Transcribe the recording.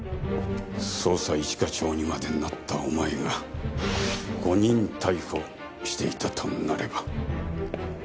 捜査一課長にまでなったお前が誤認逮捕していたとなれば。